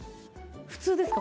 普通ですか？